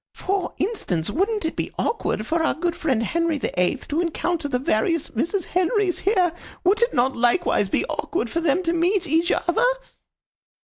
For instance, wouldn't it be awkward for our good friend Henry the Eighth to encounter the various Mrs. Henrys here? Would it not likewise be awkward for them to meet each other?"